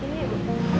kau harus kak